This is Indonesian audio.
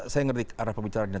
saya ngerti arah pembicaraannya